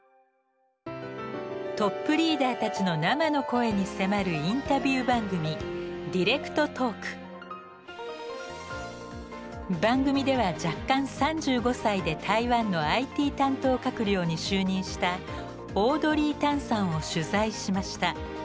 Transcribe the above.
トップリーダーたちの生の声に迫るインタビュー番組番組では弱冠３５歳で台湾のＩＴ担当閣僚に就任したオードリー・タンさんを取材しました。